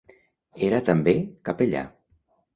Era, també, capellà.